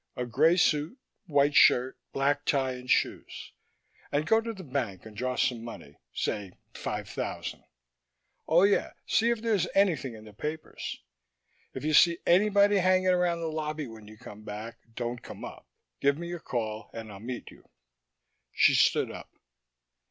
"A grey suit, white shirt, black tie and shoes. And go to my bank and draw some money, save five thousand. Oh yeah, see if there's anything in the papers. If you see anybody hanging around the lobby when you come back, don't come up; give me a call and I'll meet you." She stood up.